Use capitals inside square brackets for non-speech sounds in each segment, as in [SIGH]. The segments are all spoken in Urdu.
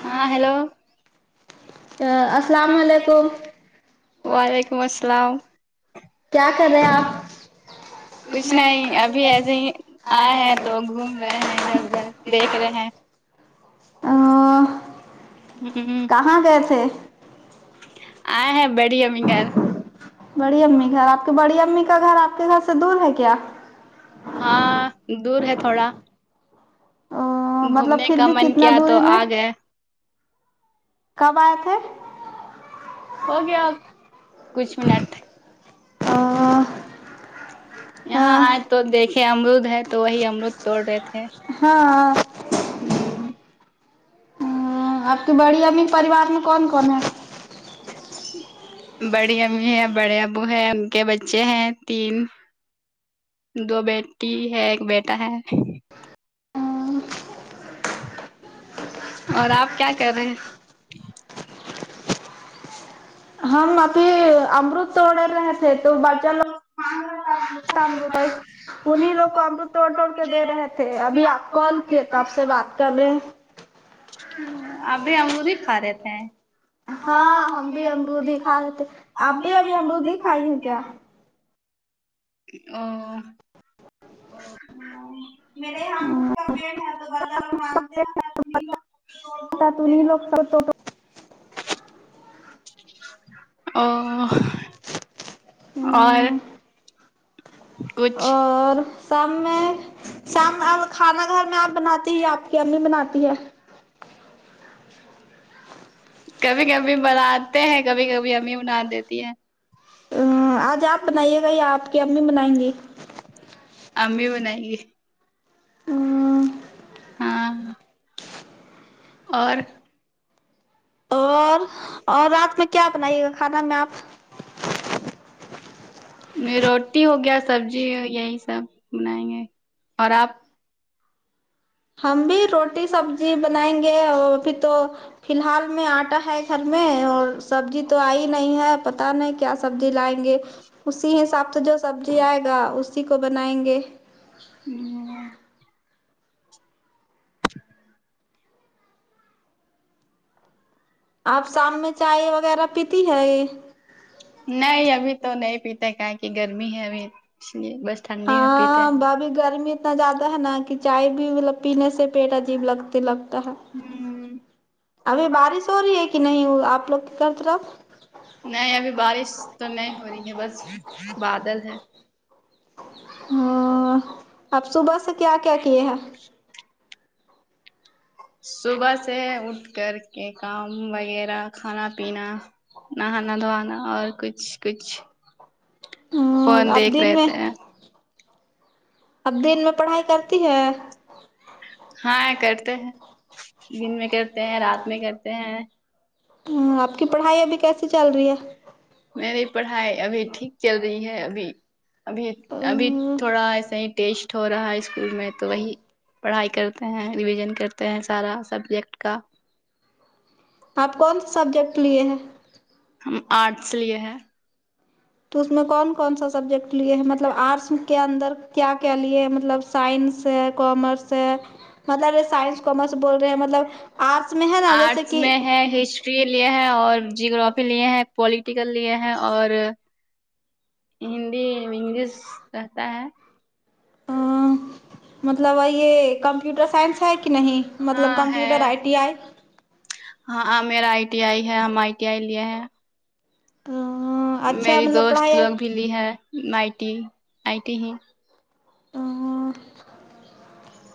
ہاں ہیلو آ السلام علیکم وعلیکم السلام کیا کر رہے آپ کچھ نہیں ابھی ایسے ہی آئے ہیں تو گھوم رہے ہیں ادھر ادھر دیکھ رہے ہیں ا ہ آ ہے بڑھیا میںگار بڑی امی گھر آپ کے بڑی امی کا گھر آپ کے گھر سے دور ہے کیا ہاں دور ہے تھوڑا گھومنے کا من کیا تو آ گیا کب آئے تھے ہو گیا کچھ منٹ آ یہاں آئے تو دیکھے امرود ہے تو وہی امرود توڑ رہے تھے ہں ہ آپ کی بڑی امی کے پریوار میں کون کون ہیں بڑی امی ہیں بڑے ابو ہیں ان کے بچے ہیں تین دو بیٹی ہے ایک بیٹا ہے اور آپ کیا کر رہے ہیں ہم ابھی امروت توڈر رہے تھے تو بچا لوگ ہ انیں لوگ کو امروت توڑ توڑ کے دے رہے تھے ابھی کون کی تو آپ سے بات کر رہے ہیں ہ اب بھی امروت ہی کھا رہے تھ ہیں ہاں آ امروت کھاۓ آ ہم امروت کھائی ت ا میرے یہاں انگور کا پیڑ ہے تو بچہ لوگ مانگتے نا س لوڑ دے رہے [UNINTELLIGIBLE] اور اور شام میں شام کھانا گھر میں آپ بناتے ہی آپ یہ امی بناتی ہے کبھی کبھی بناتے ہیں کبھی کبھی ہمیں بنا دیتی ہے اج اپ بنائیے گا یا اپ کی امی بنائیں گی امی بنائیں گے اور اور اور رات میں کیا بنائی ہو کھانا میں اپ میں روٹی ہو گیا سبزی ہو گیا یہ سب بنائیں گے اور اپ ہم بھی روٹی سبزی بنائیں گے اور ابھی تو فی الحال میں آٹا ہے گھر میں اور سبزی تو آئی نہیں ہے پتہ نہیں کیا سبزی لائیں گے اسی حساب سے جو سبزی آئے گا اسی کو بنائیں گے ہمم نہیں ابھی تو نہیں بیٹا کہاں کی گرمی ہے ابھی اس لیے بس ہاں بھابھی گرمی اتنی زیادہ ہے نا کہ چائے بھی مطلب پینے سے پیٹ عجیب لگتا لگ ابھی بارش ہو رہی ہے کہ نہیں اپ لوگ گھر طرف نہیں ابھی بارش تو نہیں ہو رہی ہے بس بادل ہے اپ کو بس کیا چاہیے صبح سے اٹھ کر کے کام وغیرہ کھانا پینا نہانا دھونا اور کچھ کچھ فون دیکھ رہے تھے اب دن میں پڑھائی کرتی ہے ہاں کرتے ہیں دن میں کرتے ہیں رات میں کرتے ہیں آ آپ میری پڑھائی ابھی ٹھیک چل رہی ہے ابھی ابھی ابھی تھوڑا ایسا ہی ٹیسٹ ہو رہا ہے اسکول میں تو وہی پڑھائی کرتے ہیں ریویژن کرتے ہیں سارا سبجیکٹ کا اب کون سب ہم آرٹس لیے ہیں تو اس میں کون کون سا سبجیکٹ لیے ہیں مطلب آرٹس کے اندر کیا کیا لیے مطلب سائنس ہے کامرس ہے مطلب سائنس کامرس بول رہے ہیں مطلب آرٹس میں ہے نا جیسے کہ ہسٹری لیے ہے اور جیوگرافی لیے ہیں پولیٹیکل لیے ہیں اور ہندی انگلش کہتا ہے مطلب یہ کمپیوٹر سائنس ہے کہ نہیں مطلب کمپیوٹر آئی ٹی آئی ہاں میرا آئی ٹی آئی ہے ہم آئی ٹی آئی لے ہیں میری دوست لوگ بھی لی ہے نائٹی ائٹی ہی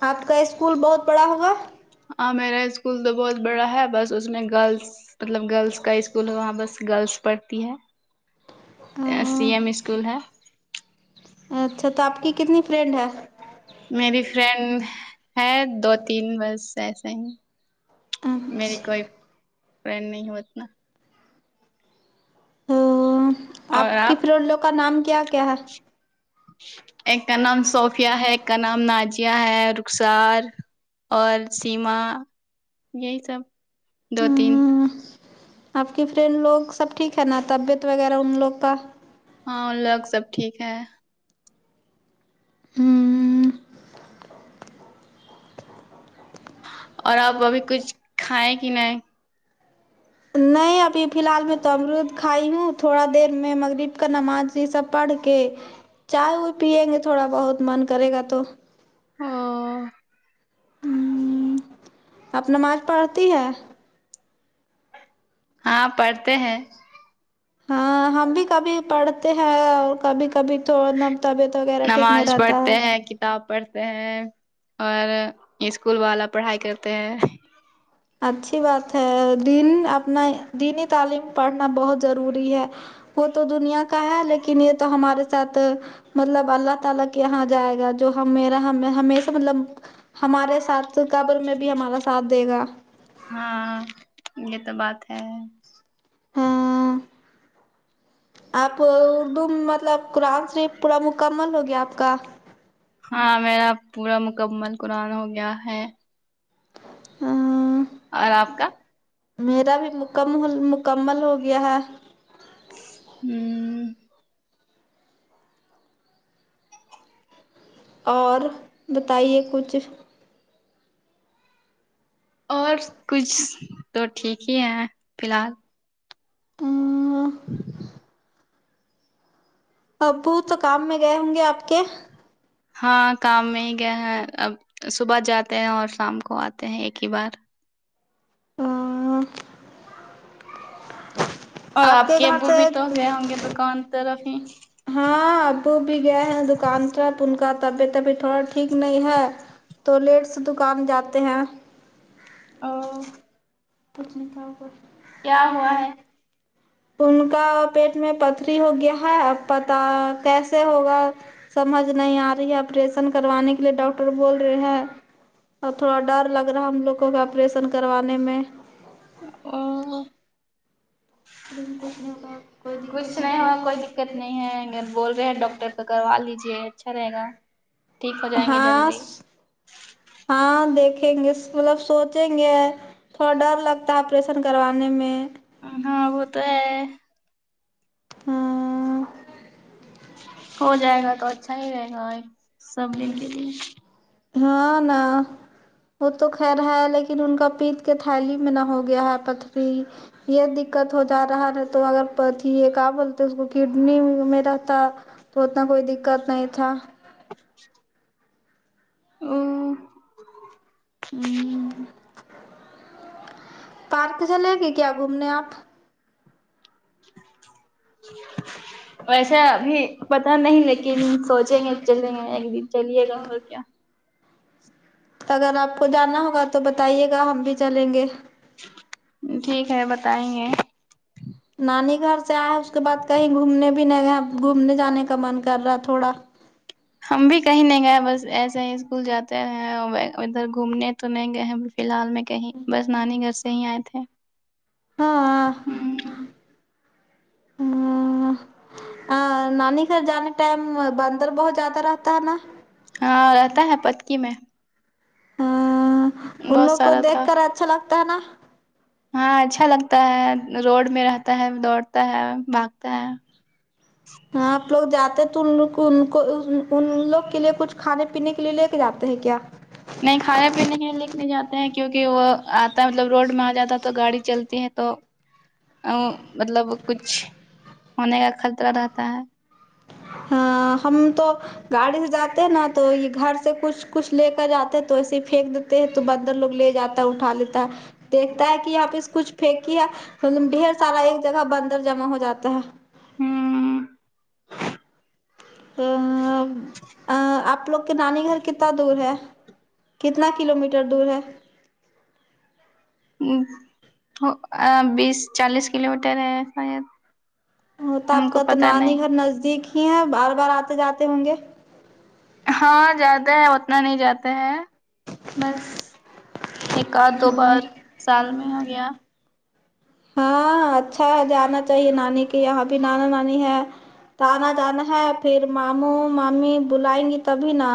آپ کا اسکول بہت بڑا ہوگا ہاں میرا اسکول تو بہت بڑا ہے بس اس میں گرلز مطلب گرلز کا اسکول ہے وہاں بس گرلز پڑھتی ہے ایس سی ایم اسکول ہے اچھا تو آپ کی کتنی فرینڈ ہے میری فرینڈ ہے دو تین بس ایسے ہی میری کوئی فرینڈ نہیں ہو اتنا اور آپ ایک کا نام صوفیہ ہے ایک کا نام ناج یا ہے رخسار اور سیما یہی سب دو تین آپ کے فرینڈ لوگ سب ٹھیک ہے نا طبیعت وغیرہ ان لوگ کا ہاں ان لوگ سب ٹھیک ہے ہوں اور آپ ابھی کچھ کھائیں کہ نہیں نہیں ابھی فی الحال میں تو امرود کھائی ہوں تھوڑا دیر میں مغرب کا نماز یہ سب پڑھ کے چائے وئے پیئیں گے تھوڑا بہت من کرے گا تو ہوں ہمم آپ نماز پڑھتی ہے ہاں پڑھتے ہیں ہاں ہم بھی کبھی پڑھتے ہیں اور کبھی کبھی تو نا طبیعت وغیرہ ٹک نہیں رہتا ہے کتاب پڑھتے ہیں اور اسکول والا پڑھائی کرتے ہیں اچھی بات ہے دین اپنا دینی تعلیم پڑھنا بہت ضروری ہے وہ تو دنیا کا ہے لیکن یہ تو ہمارے ساتھ مطلب اللہ تعالی یہاں جائے گا جو ہم میرا ہم ہمیشہ مطلب ہمارے ساتھ قبر میں بھی ہمارا ساتھ دے گا ہاں یہ تو بات ہے ہاں آپ اردو مطلب قرآن شریف پورا مکمل ہو گیا آپ کا ہاں میرا پورا مکمل قرآن ہو گیا ہے ہاں میرا بھی مکم مکمل ہو گیا ہے ہممم اور بتائیے کچھ اور کچھ تو ٹھیک ہی ہیں فلحال ہاں ابو تو کام میں گئے ہوں گے آپ کے ہاں کام میں ہی گیا ہے اب صبح جاتے ہیں اور شام کو آتے ہیں ایک ہی بار آآہ اور آپ کے ابو بھی تو گئے ہوں گے دکان طرف ہی ہاں ابو بھی گئے ہیں دکان طرف ان کا طبیعت ابھی تھوڑا ٹھیک نہیں ہے تو لیٹ سے دکان جاتے ہیں او پتنی کا پر کیا ہوا ہے ان کا پیٹ میں پتھری ہو گیا ہے اب پتا کیسے ہوگا سمجھ نہیں آ رہی ہے آپریشن کروانے کے لیے ڈاکٹر بول رے ہیں اور تھوڑا ڈر لگ را ہے ہم لوگوں کے آپریشن کروانے میں او کچھ نہیں ہوا کوئی دقت نہیں ہے بول رہے ہیں ڈاکٹر تک کروا لیجیے اچھا رہے گا ٹھیک ہو جائیں گے جلدی ہاں دیکھیں گے مطلب سوچیں گے تھوڑا ڈر لگتا ہے آپریشن کروانے میں ہاں وہ تو ہے ہاں ہو جائے گا تو اچھا ہی رہے گا سب لوگ کے لیے ہاں نا وہ تو خیر ہے لیکن ان کا پیت کے تھلی میں نہ ہو گیا ہے پتھری یہ دکت ہو جا رہا ہے تو اگر پتھی یہ کابول تو اس کو کڈنی میں رہتا تو اتنا کوئی دقت نہیں تھا ہ بات تو جنے گ کیا گھومنے آپ [INAUDIBLE] ویسے ابھی پت نہیں لیکن سوچیں گے چلیں گے ایک دن چلیے گا ہو کیا اگر آپ کو جانا ہو تو بائیے گنے کے لیے ٹھیک ہے بتائیں گے نانی گھر سے آئے اس کے بعد کہیں گھومنے بھی نہیں گئے گھومنے جانے کا من کر رہا ہے تھوڑا ہم بھی کہیں نہیں گئے بس ایسے ہی اسکول جاتے ہیں آ ام ادھر گھومنے تو نہیں گئے ہیں فلهل میں کہیں بس نانی گھر سے ہی آئے تھے ہاں ہ ا نانی گھر جانے ٹائم بندر بہت زیادہ رہتا ہے نا ہاں رہتا ہے پتکی میں ان لوگ کو دیکھ کر اچھا لگتا ہے نا ہاں اچھا لگتا ہے روڈ میں رہتا ہے دوڑتا ہے بھاگتا ہے ہاں آپ لوگ جاتے ہیں تو ان لوگ ان کو ان لوگ کے لیے کچھ کھانے پینے کے لیے لے کے جاتے ہیں کیا نہیں کھانے پینے کے لیے لیکے نہیں جاتے ہیں کیوںکہ وہ آتا ہے مطلب روڈ میں آ جاتا ہے تو گاڑی چلتی ہے تو ا مطلب کچھ ہونے کا خطرہ رہتا ہے ہاں ہم تو گاڑی سے جاتے ہیں نا تو یہ گھر سے کچھ کچھ لے کر جا ہے تو ایسے پھینک دیتے ہیں تو بندر لوگ لے جاتا ہے اٹھا لیتا ہے دیکھتا ہے کہ یہاں پہ کچھ پھینکی ہے م ڈھیر سارا ایک جگہ بندر جمع ہو جاتا ہے ہوں ا ا آپ لوگ کے نانی گھر کتنا دور ہے کتنا کلو میٹر دور ہے آ بیس چالیس کلو میٹر ہے شاید ہ تو آپ کا تو نانی گھر نزدیک ہی ہے بار بار آتے جاتے ہوں گے ہاں جاتے ہے اتنا نہیں جاتے ہے بس ایک آدھ دو بار سال میں ہو گیا ہاں اچھا ہے جانا چاہیے نانی کی یہاں بھی نانا نانی ہے تو آنا جانا ہے پھر ماموں مامی بلائیں گی تبھی نا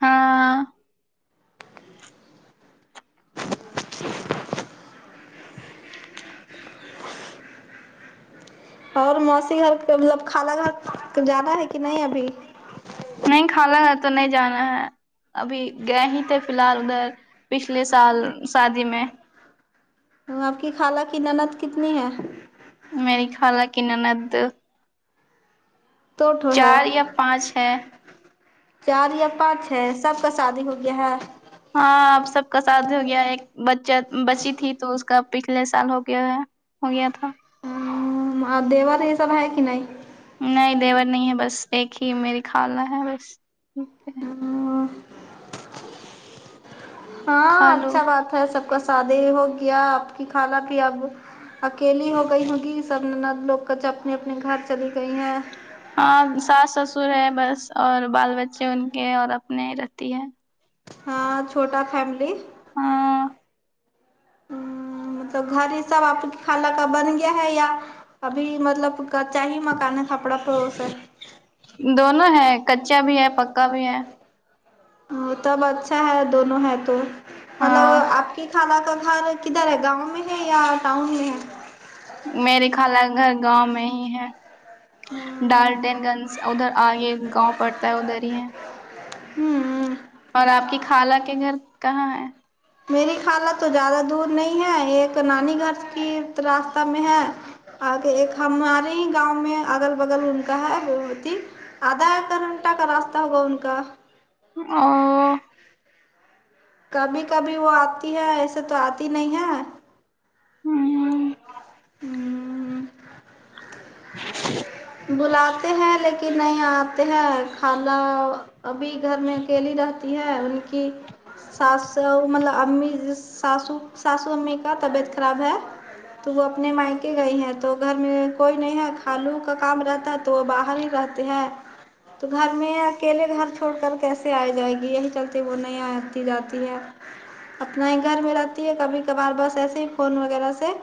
ہاں ج اور موسی گھر کا مطلب خالہ گھر جانا ہے کہ نہیں ابھی نہیں کھلا گھر تو نہیں جانا ہے ابھی گئے ہی تھے فلحال ادھر پچھلے سال شادی میں آپ کی خالہ کی نند کتنی ہے میری خالہ کی ننند چار یا پانچ ہے چار یا پانچ ہے سب کا شادی ہو گیا ہے ہاں آپ سب کا شادی ہو گیا ایک بچہ بچی تھی تو اس کا پچھلے سال ہو گیا ہو گیا تھا ہ اور دیور یہ سب ہے کہ نہیں نہیں دیور نہیں ہے بس ایک ہی میری کھلا ہے بس ہمم ہاں اچھا بات ہے سب کا سادی ہو گیا آپ کی کھلا کی اب اکیلی ہو گئی ہوگی سب نند لوگ جب اپنے اپنے گھر چلی گئی ہیں ہاں ساس سسر ہے بس اور بال بچے ان کے اور اپنے ہی رہتی ہے ہاں چھوٹا فیملی ہاں تو گھر ہی سب آپ کی خالا کا بن گیا ہے یا ابھی مطلب کچہ ہی مکان ہے کپڑا پوس [UNINTELLIGIBLE] دونوں ہے کچا بھی ہے پکا بھی ہے ا تب اچھا ہے دونوں ہے تو مطلب آپ کہ خالہ کا گھر کدھر ہے گاؤں میں ہے یا ٹاؤن میں ہے میری خالہ کا گھر گاؤں میں ہی ہے ڈالٹین گنج ادھر آگے گاؤں پڑتا ہے ادھر ہی ہے اور آپ کی خالہ کے گھر کہاں ہے میری خا لہ تو زیادہ دور نہیں ہے ایک نانی گھر کی راستہ میں ہے آگے ایک ہمارے ہی گاؤں میں اگل بگل ان کا ہے وہ ہوتی [UNINTELLIGIBLE] کبھی کبھی وہ آتی ہے ایسے تو آتی نہیں ہے ہمم بلاتے ہیں لیکن نہیں آتے ہیں قالا ابھی گھر میں اکیلی رہ تی ہے ان کی ساسو مطلب امی ساسو ساسو امی کا طبیعت خراب ہے تو وہ اپنے مائکے گئی ہیں تو گھر میں کوئی نہیں ہے خالو کا کام رہتا ہے تو وہ باہر ہی رہتے ہیں تو گھر میں اکیلے گھر چھوڑ کر کیسے آ جائے گی یہی چلتے وہ نہیں آتی جاتی ہے اپنا ہی گھر میں رہتی ہے کبھی کبھار بس ایسے ہی فون وغیرہ سے